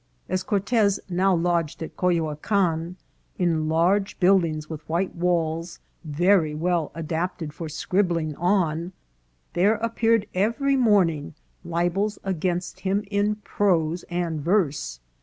" As Cortez now lodged at Cuejoacan, in large build ings with white walls, very well adapted for scribbling on, there appeared every morning libels against him in prose and verse.